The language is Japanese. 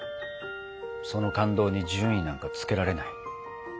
その感動に順位なんかつけられない。